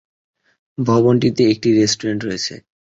ভবনটিতে একটি রেস্টুরেন্টও রয়েছে।